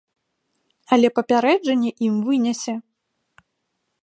Але папярэджанне ім вынясе.